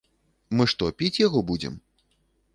Мы што, піць яго будзем?!